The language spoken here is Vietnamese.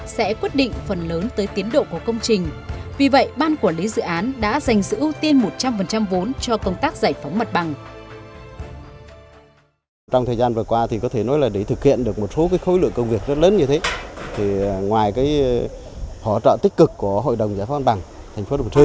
sẽ quyết định phần lớn tới tiến độ của công trình